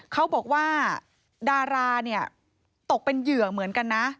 เขาบอกว่าดาราตกเป็นเหยื่อเหมือนกัน